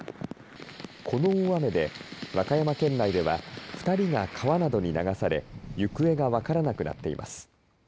この大雨で和歌山県内では２人が川などに流され行方が分からなくなっています。